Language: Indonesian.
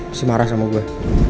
masih marah sama gue